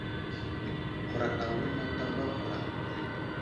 Huraɗ awurnat a wal huraɗ.